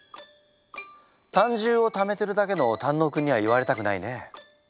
胆汁をためてるだけの胆のうくんには言われたくないねえ。